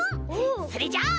それじゃあ。